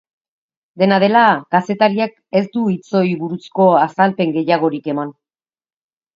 Dena dela, kazetariak ez du hitzoi buruzko azalpen gehiagorik eman.